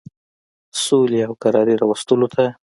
سولي او کراري راوستلو ته.